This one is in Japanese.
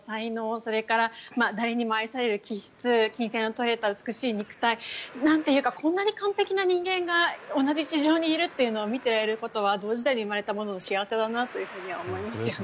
それから、誰にも愛される気質均整の取れた美しい肉体なんというかこんなに完璧な人間が同じ地上にいるというのを見ていることは同時代に生まれた者の幸せだなと思いますね。